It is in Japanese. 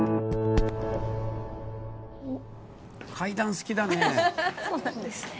階段好きだね。